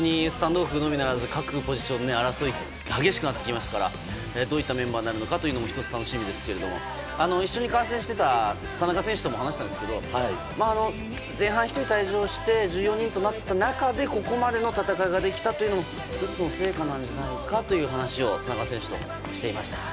本当に、各ポジション争いが激しくなってきましたからどういったメンバーになるかも１つ楽しみですけど一緒に観戦していた田中選手とも話していたんですけれども前半１人退場して１４人となった中でもここまでの戦いができたのも１つの成果なんじゃないかという話を田中選手としていました。